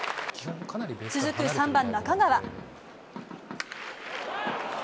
続く３番中川。